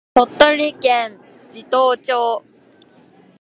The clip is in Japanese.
鳥取県智頭町